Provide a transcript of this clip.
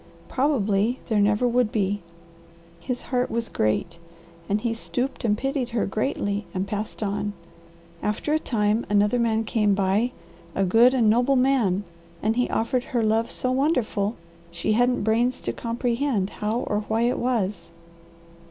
Probably there never would be. His heart was great, and he stooped and pitied her gently and passed on. After a time another man came by, a good and noble man, and he offered her love so wonderful she hadn't brains to comprehend how or why it was."